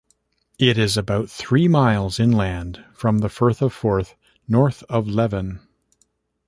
It is about three miles inland from the Firth of Forth, north of Leven.